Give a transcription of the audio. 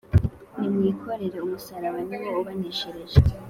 Nimwikorere'umusaraba: Ni wo ubaneshereza.